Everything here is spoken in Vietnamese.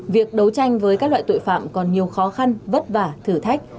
việc đấu tranh với các loại tội phạm còn nhiều khó khăn vất vả thử thách